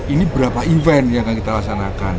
ini berapa event yang akan kita laksanakan